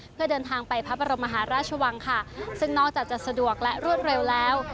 เพื่อเดินทางไปพระบรมมหาราชวังค่ะซึ่งนอกจากจะสะดวกและรวดเร็วแล้ว